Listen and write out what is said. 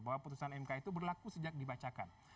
bahwa putusan mk itu berlaku sejak dibacakan